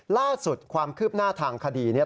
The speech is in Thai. ล่าสุดความคืบหน้าทางคดีเนี่ย